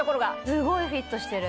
すごいフィットしてる。